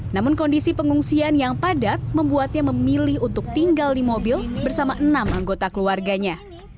namun kondisi pengungsian yang padat membuatnya memilih untuk tinggal di mobil bersama enam anggota keluarganya